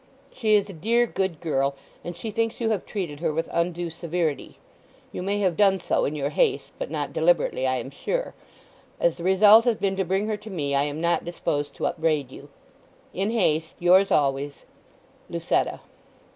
She is a dear, good girl, and she thinks you have treated her with undue severity. You may have done so in your haste, but not deliberately, I am sure. As the result has been to bring her to me I am not disposed to upbraid you.—In haste, yours always, "LUCETTA."